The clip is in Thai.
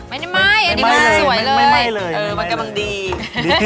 ไม่ได้ไหม้อันนี้มันสวยเลย